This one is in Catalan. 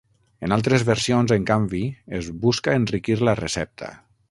En altres versions, en canvi, es busca enriquir la recepta.